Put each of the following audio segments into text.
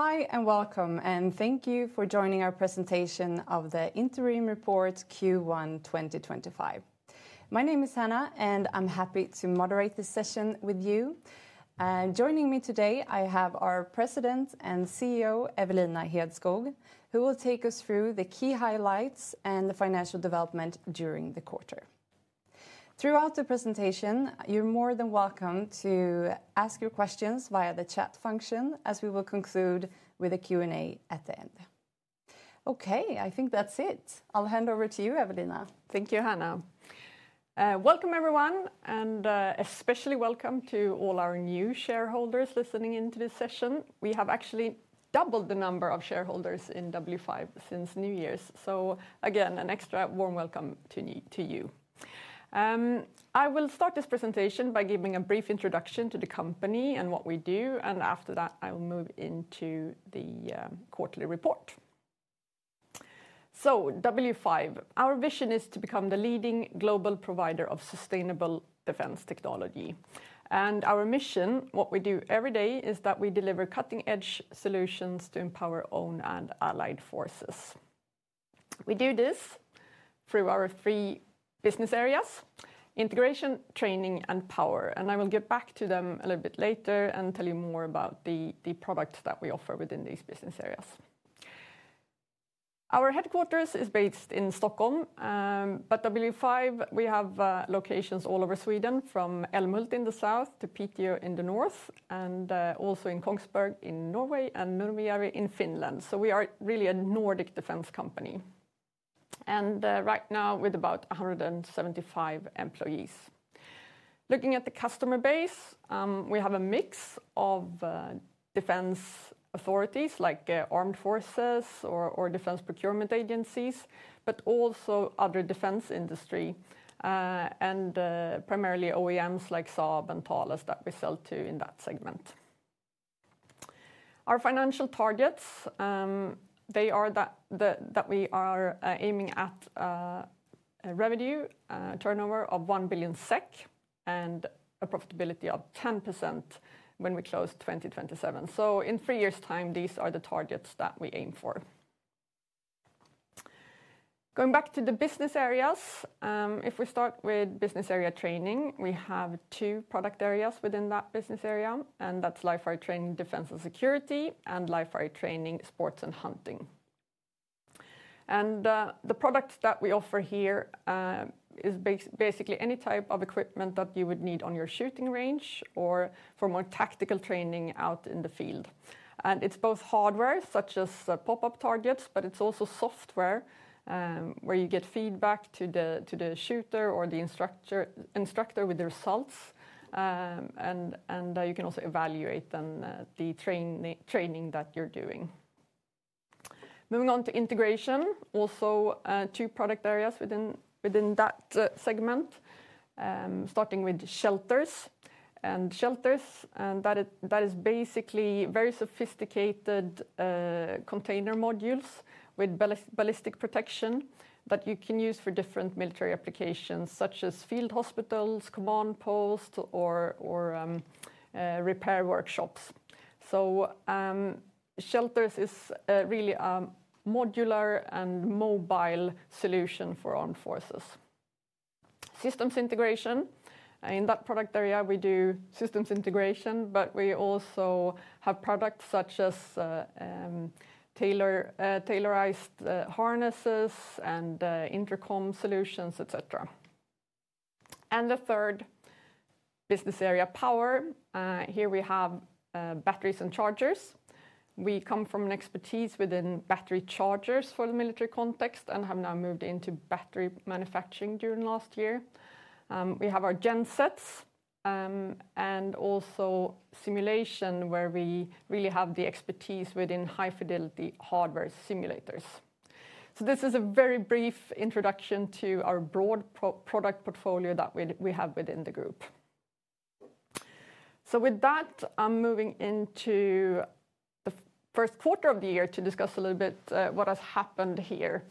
Hi and welcome, and thank you for joining our presentation of the Interim Report Q1 2025. My name is Hannah, and I'm happy to moderate this session with you. Joining me today, I have our President and CEO, Evelina Hedskog, who will take us through the key highlights and the financial development during the quarter. Throughout the presentation, you're more than welcome to ask your questions via the chat function, as we will conclude with a Q&A at the end. Okay, I think that's it. I'll hand over to you, Evelina. Thank you, Hannah. Welcome, everyone, and especially welcome to all our new shareholders listening into this session. We have actually doubled the number of shareholders in W5 since New Year's. Again, an extra warm welcome to you. I will start this presentation by giving a brief introduction to the company and what we do, and after that, I will move into the quarterly report. W5, our vision is to become the leading global provider of sustainable defence technology. Our mission, what we do every day, is that we deliver cutting-edge solutions to empower owned and allied forces. We do this through our three business areas: integration, training, and power. I will get back to them a little bit later and tell you more about the products that we offer within these business areas. Our headquarters is based in Stockholm, but W5, we have locations all over Sweden, from Älmhult in the south to Piteå in the north, and also in Kongsberg in Norway and Nurmijärvi in Finland. We are really a Nordic defence company. Right now, with about 175 employees. Looking at the customer base, we have a mix of defence authorities like armed forces or defence procurement agencies, but also other defence industry, and primarily OEMs like Saab and Thales that we sell to in that segment. Our financial targets, they are that we are aiming at a revenue turnover of 1 billion SEK and a profitability of 10% when we close 2027. In three years' time, these are the targets that we aim for. Going back to the business areas, if we start with business area training, we have two product areas within that business area, and that's LiFi training defence and security and LiFi training sports and hunting. The product that we offer here is basically any type of equipment that you would need on your shooting range or for more tactical training out in the field. It is both hardware such as pop-up targets, but it is also software where you get feedback to the shooter or the instructor with the results, and you can also evaluate the training that you are doing. Moving on to integration, also two product areas within that segment, starting with shelters. Shelters, that is basically very sophisticated container modules with ballistic protection that you can use for different military applications such as field hospitals, command posts, or repair workshops. Shelters is really a modular and mobile solution for armed forces. Systems integration, in that product area, we do systems integration, but we also have products such as tailorized harnesses and intercom solutions, etc. The third business area, power. Here we have batteries and chargers. We come from an expertise within battery chargers for the military context and have now moved into battery manufacturing during last year. We have our gensets and also simulation where we really have the expertise within high-fidelity hardware simulators. This is a very brief introduction to our broad product portfolio that we have within the group. With that, I'm moving into the first quarter of the year to discuss a little bit what has happened here.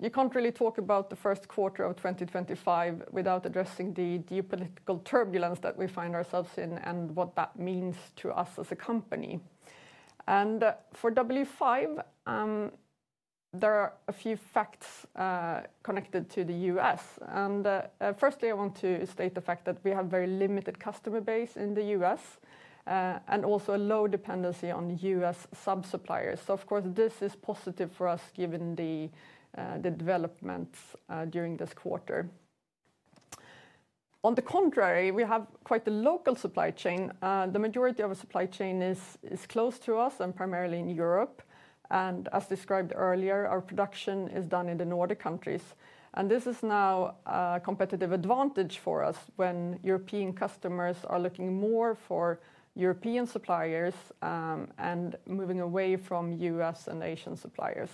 You cannot really talk about the first quarter of 2025 without addressing the geopolitical turbulence that we find ourselves in and what that means to us as a company. For W5, there are a few facts connected to the U.S. Firstly, I want to state the fact that we have a very limited customer base in the U.S. and also a low dependency on US sub-suppliers. Of course, this is positive for us given the developments during this quarter. On the contrary, we have quite a local supply chain. The majority of our supply chain is close to us and primarily in Europe. As described earlier, our production is done in the Nordic countries. This is now a competitive advantage for us when European customers are looking more for European suppliers and moving away from U.S. and Asian suppliers.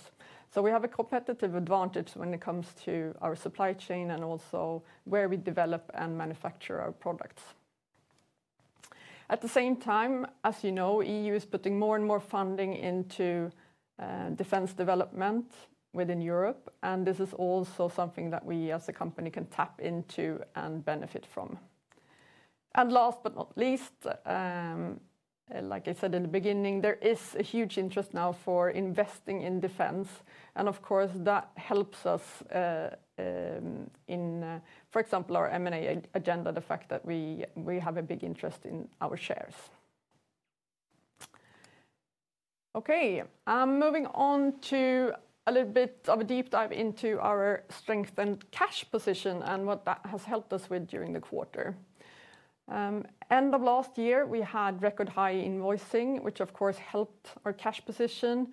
We have a competitive advantage when it comes to our supply chain and also where we develop and manufacture our products. At the same time, as you know, the EU is putting more and more funding into defence development within Europe, and this is also something that we as a company can tap into and benefit from. Last but not least, like I said in the beginning, there is a huge interest now for investing in defence, and of course, that helps us in, for example, our M&A agenda, the fact that we have a big interest in our shares. Okay, moving on to a little bit of a deep dive into our strengthened cash position and what that has helped us with during the quarter. End of last year, we had record high invoicing, which of course helped our cash position.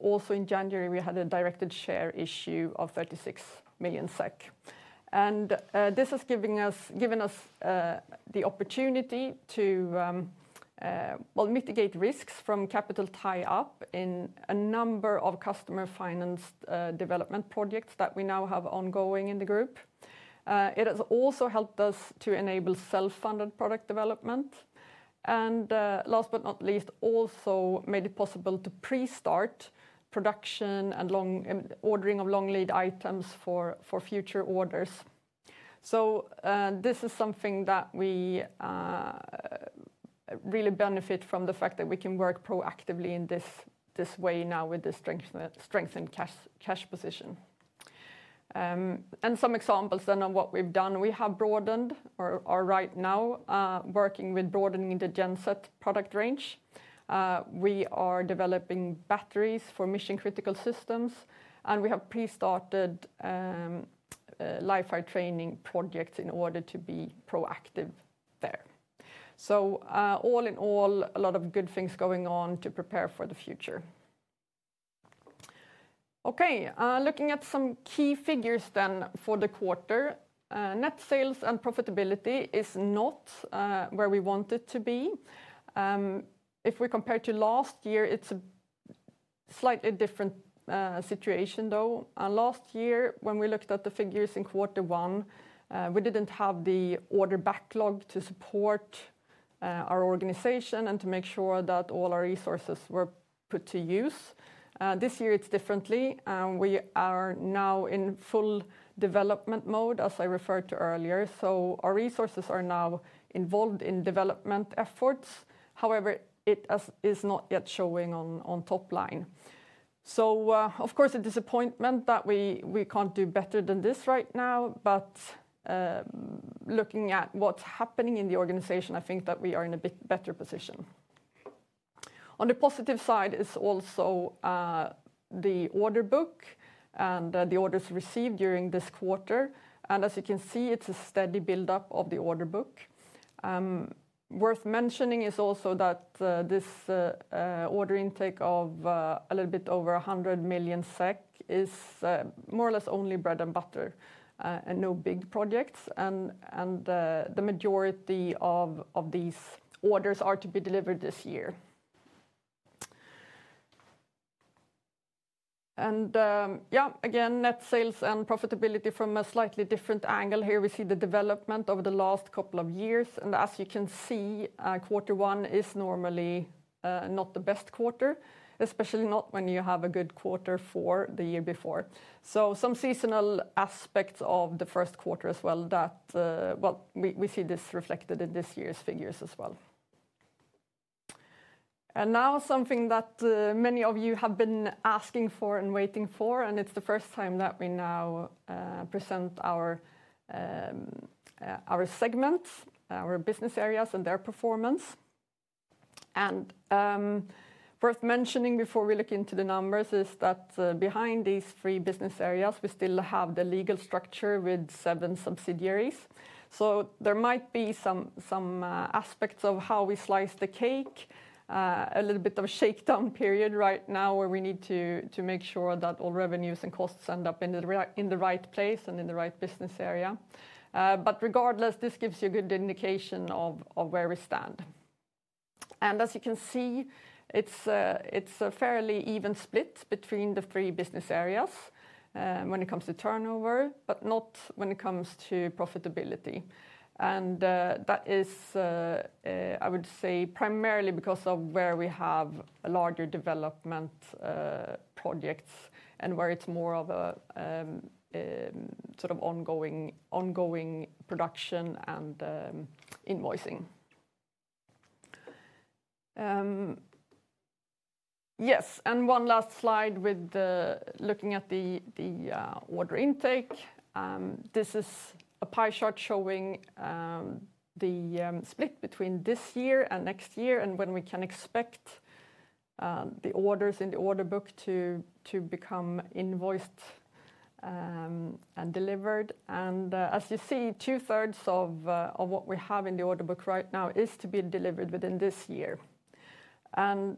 Also in January, we had a directed share issue of 36 million SEK. This has given us the opportunity to mitigate risks from capital tie-up in a number of customer-financed development projects that we now have ongoing in the group. It has also helped us to enable self-funded product development. Last but not least, it also made it possible to pre-start production and ordering of long lead items for future orders. This is something that we really benefit from, the fact that we can work proactively in this way now with this strengthened cash position. Some examples then of what we have done: we have broadened, or are right now working with broadening, the genset product range. We are developing batteries for mission-critical systems, and we have pre-started LiFi training projects in order to be proactive there. All in all, a lot of good things going on to prepare for the future. Okay, looking at some key figures then for the quarter. Net sales and profitability is not where we want it to be. If we compare to last year, it's a slightly different situation though. Last year, when we looked at the figures in quarter one, we didn't have the order backlog to support our organization and to make sure that all our resources were put to use. This year, it's different. We are now in full development mode, as I referred to earlier. Our resources are now involved in development efforts. However, it is not yet showing on top line. Of course, a disappointment that we can't do better than this right now, but looking at what's happening in the organization, I think that we are in a bit better position. On the positive side is also the order book and the orders received during this quarter. As you can see, it is a steady build-up of the order book. Worth mentioning is also that this order intake of a little bit over 100 million SEK is more or less only bread and butter and no big projects. The majority of these orders are to be delivered this year. Yeah, again, net sales and profitability from a slightly different angle here. We see the development over the last couple of years. As you can see, quarter one is normally not the best quarter, especially not when you have a good quarter for the year before. Some seasonal aspects of the first quarter as well that we see this reflected in this year's figures as well. Now something that many of you have been asking for and waiting for, and it is the first time that we now present our segments, our business areas and their performance. Worth mentioning before we look into the numbers is that behind these three business areas, we still have the legal structure with seven subsidiaries. There might be some aspects of how we slice the cake, a little bit of a shakedown period right now where we need to make sure that all revenues and costs end up in the right place and in the right business area. Regardless, this gives you a good indication of where we stand. As you can see, it is a fairly even split between the three business areas when it comes to turnover, but not when it comes to profitability. That is, I would say, primarily because of where we have larger development projects and where it is more of a sort of ongoing production and invoicing. Yes, one last slide with looking at the order intake. This is a pie chart showing the split between this year and next year and when we can expect the orders in the order book to become invoiced and delivered. As you see, two-thirds of what we have in the order book right now is to be delivered within this year.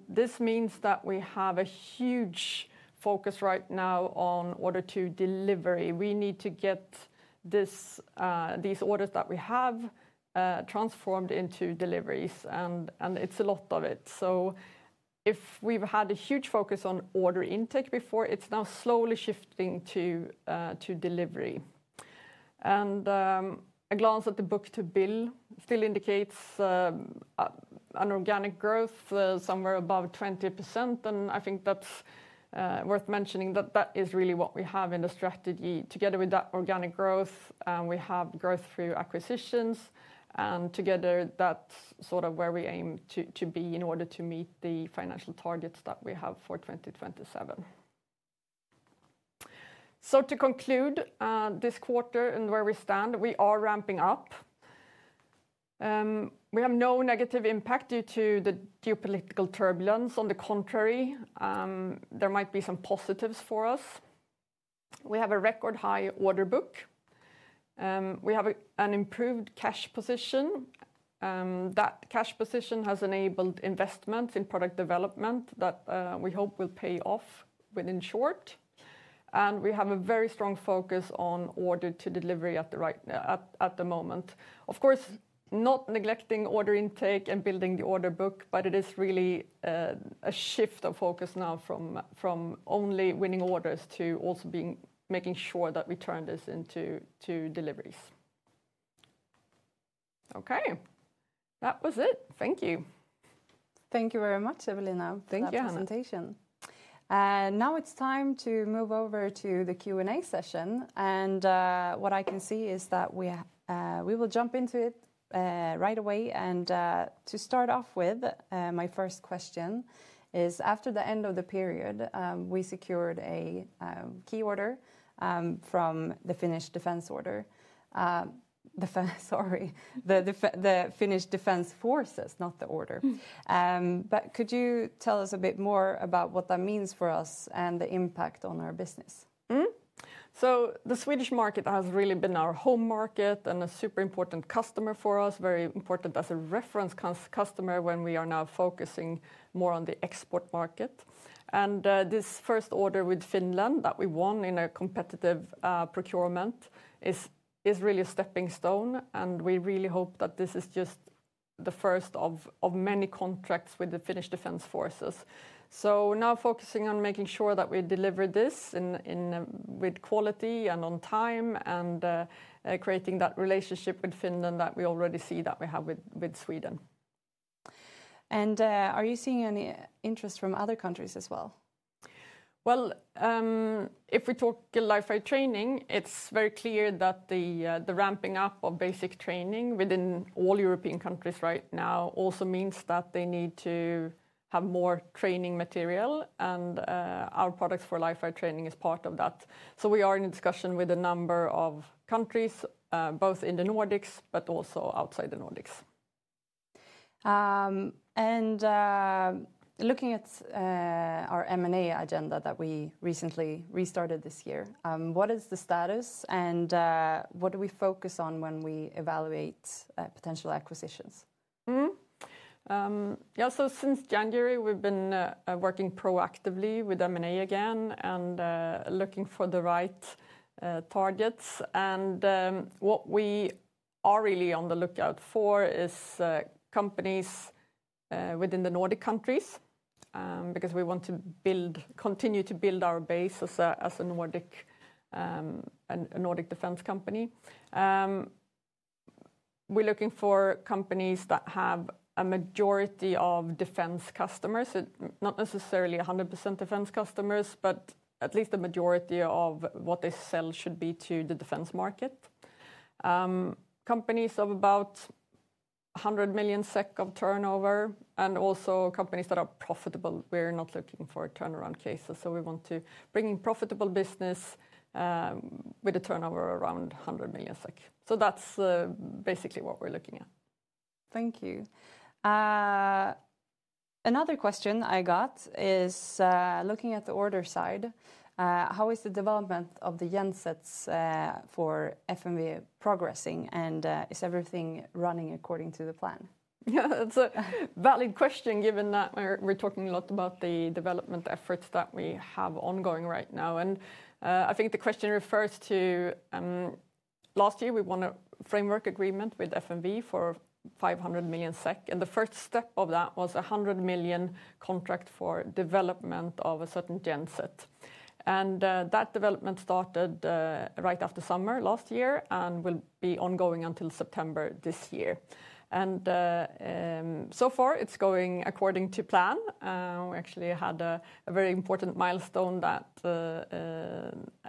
This means that we have a huge focus right now on order to delivery. We need to get these orders that we have transformed into deliveries, and it is a lot of it. If we have had a huge focus on order intake before, it is now slowly shifting to delivery. A glance at the book to bill still indicates an organic growth somewhere above 20%. I think that's worth mentioning, that is really what we have in the strategy. Together with that organic growth, we have growth through acquisitions. Together, that's sort of where we aim to be in order to meet the financial targets that we have for 2027. To conclude this quarter and where we stand, we are ramping up. We have no negative impact due to the geopolitical turbulence. On the contrary, there might be some positives for us. We have a record high order book. We have an improved cash position. That cash position has enabled investments in product development that we hope will pay off within short. We have a very strong focus on order to delivery at the moment. Of course, not neglecting order intake and building the order book, but it is really a shift of focus now from only winning orders to also making sure that we turn this into deliveries. Okay, that was it. Thank you. Thank you very much, Evelina. Thank you for the presentation. Now it is time to move over to the Q&A session. What I can see is that we will jump into it right away. To start off with, my first question is, after the end of the period, we secured a key order from the Finnish Defence Forces. Could you tell us a bit more about what that means for us and the impact on our business? The Swedish market has really been our home market and a super important customer for us, very important as a reference customer when we are now focusing more on the export market. This first order with Finland that we won in a competitive procurement is really a stepping stone. We really hope that this is just the first of many contracts with the Finnish Defence Forces. Now focusing on making sure that we deliver this with quality and on time and creating that relationship with Finland that we already see that we have with Sweden. Are you seeing any interest from other countries as well? If we talk LiFi training, it is very clear that the ramping up of basic training within all European countries right now also means that they need to have more training material. Our products for LiFi training are part of that. We are in discussion with a number of countries, both in the Nordics, but also outside the Nordics. Looking at our M&A agenda that we recently restarted this year, what is the status and what do we focus on when we evaluate potential acquisitions? Yeah, since January, we've been working proactively with M&A again and looking for the right targets. What we are really on the lookout for is companies within the Nordic countries because we want to continue to build our base as a Nordic defence company. We're looking for companies that have a majority of defence customers, not necessarily 100% defence customers, but at least a majority of what they sell should be to the defence market. Companies of about 100 million SEK of turnover and also companies that are profitable. We're not looking for turnaround cases. We want to bring in profitable business with a turnover around 100 million SEK. That's basically what we're looking at. Thank you. Another question I got is looking at the order side, how is the development of the gensets for FMV progressing and is everything running according to the plan? Yeah, that's a valid question given that we're talking a lot about the development efforts that we have ongoing right now. I think the question refers to last year we won a framework agreement with FMV for 500 million SEK. The first step of that was a 100 million contract for development of a certain genset. That development started right after summer last year and will be ongoing until September this year. So far it's going according to plan. We actually had a very important milestone that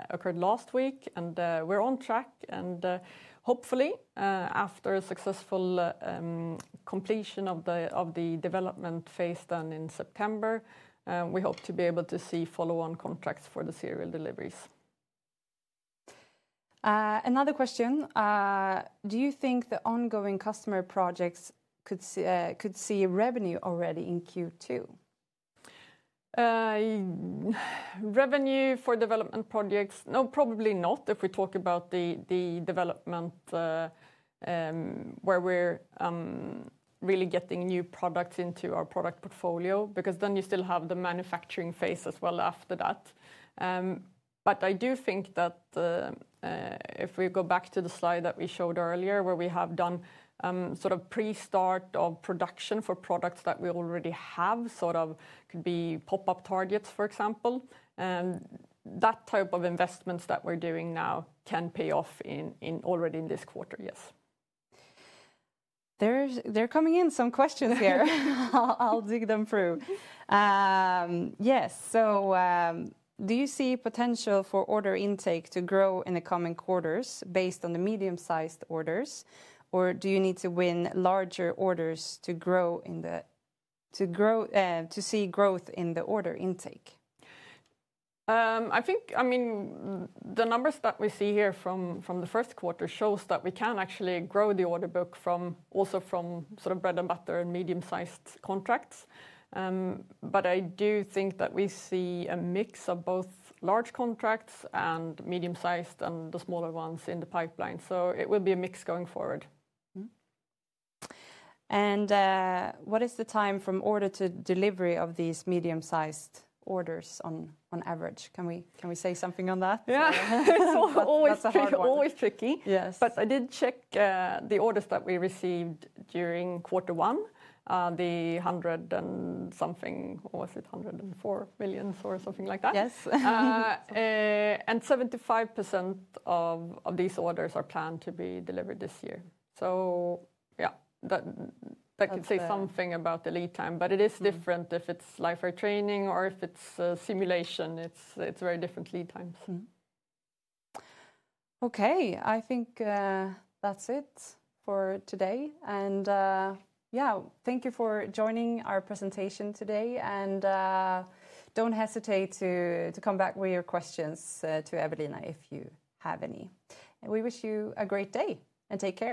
occurred last week and we're on track. Hopefully after a successful completion of the development phase done in September, we hope to be able to see follow-on contracts for the serial deliveries. Another question, do you think the ongoing customer projects could see revenue already in Q2? Revenue for development projects, no, probably not if we talk about the development where we're really getting new products into our product portfolio because then you still have the manufacturing phase as well after that. I do think that if we go back to the slide that we showed earlier where we have done sort of pre-start of production for products that we already have, sort of could be pop-up targets, for example. That type of investments that we're doing now can pay off already in this quarter, yes. They're coming in, some questions here. I'll dig them through. Yes, do you see potential for order intake to grow in the coming quarters based on the medium-sized orders? Or do you need to win larger orders to see growth in the order intake? I think, I mean, the numbers that we see here from the first quarter show that we can actually grow the order book also from sort of bread and butter and medium-sized contracts. I do think that we see a mix of both large contracts and medium-sized and the smaller ones in the pipeline. It will be a mix going forward. What is the time from order to delivery of these medium-sized orders on average? Can we say something on that? Yeah, it's always tricky. I did check the orders that we received during quarter one, the 100 and something, or was it 104 million or something like that? Yes. 75% of these orders are planned to be delivered this year. That could say something about the lead time. It is different if it is LiFi training or if it is a simulation. It is very different lead times. I think that is it for today. Thank you for joining our presentation today. Do not hesitate to come back with your questions to Evelina if you have any. We wish you a great day and take care.